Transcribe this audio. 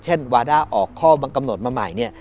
เช่นวาด้าออกข้อบังกำหนดมาใหม่